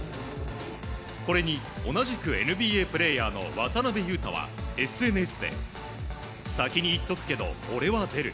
これに、同じくＮＢＡプレーヤーの渡邊雄太はＳＮＳで先に言っとくけど俺は出る。